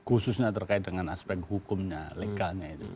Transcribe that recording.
khususnya terkait dengan aspek hukumnya legalnya itu